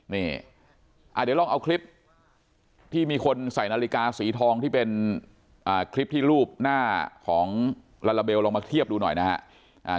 เดี๋ยวลองเอาคลิปที่มีคนใส่นาฬิกาสีทองที่เป็นคลิปที่รูปหน้าของลาลาเบลลองมาเทียบดูหน่อยนะฮะ